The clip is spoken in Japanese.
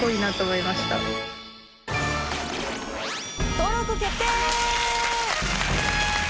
登録決定！